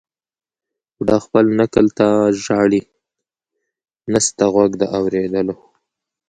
بوډا خپل نکل ته ژاړي نسته غوږ د اورېدلو